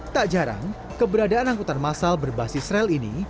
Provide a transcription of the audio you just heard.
tak jarang keberadaan angkutan masal berbasis rel ini